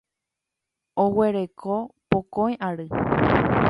Oguereko pokõi ary.